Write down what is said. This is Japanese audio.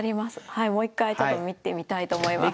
はいもう一回ちょっと見てみたいと思います。